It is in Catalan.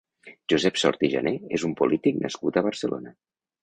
Josep Sort i Jané és un polític nascut a Barcelona.